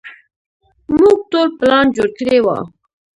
موږ ټول پلان جوړ کړى و.